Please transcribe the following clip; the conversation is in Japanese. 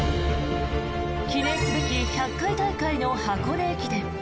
記念すべき１００回大会の箱根駅伝。